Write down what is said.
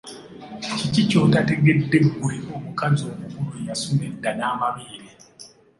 Kiki ky'otategedde ggwe omukazi omukulu eyasuna edda n'amabeere?